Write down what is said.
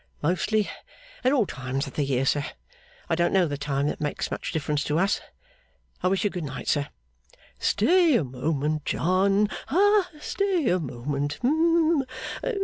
'Mostly at all times of the year, sir. I don't know the time that makes much difference to us. I wish you good night, sir.' 'Stay a moment, John ha stay a moment. Hum.